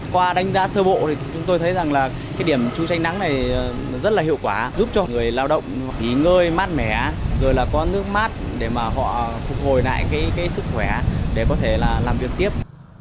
qua đánh giá sơ bộ thì chúng tôi thấy rằng là cái điểm chú tránh nắng này rất là hiệu quả giúp cho người lao động nghỉ ngơi mát mẻ rồi là có nước mát để mà họ phục hồi lại cái sức khỏe để có thể là làm việc tiếp